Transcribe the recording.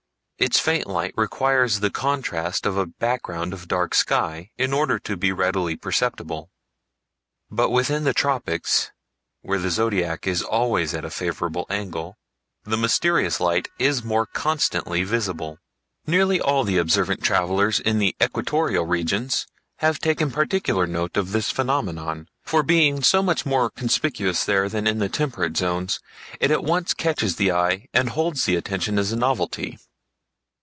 Its faint light requires the contrast of a background of dark sky in order to be readily perceptible. But within the tropics, where the Zodiac is always at a favorable angle, the mysterious light is more constantly visible. Nearly all observant travelers in the equatorial regions have taken particular note of this phenomenon, for being so much more conspicuous there than in the temperate zones it at once catches the eye and holds the attention as a novelty.